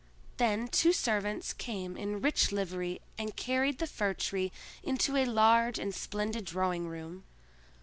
Then two servants came in rich livery and carried the Fir tree into a large and splendid drawing room.